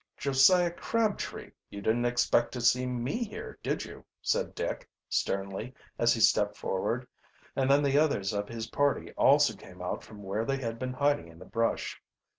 "Josiah Crabtree, you didn't expect to see me here, did you?" said Dick sternly, as he stepped forward. And then the others of his party also came out from where they had been hiding in the brush.